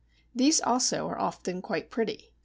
These also are often quite pretty.